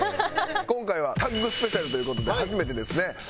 今回はタッグスペシャルという事で初めてですね。